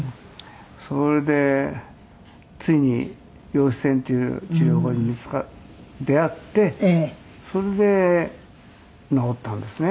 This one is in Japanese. それでついに陽子線っていう治療法に出会ってそれで治ったんですね。